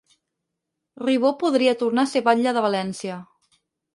Ribó podria tornar a ser batlle de València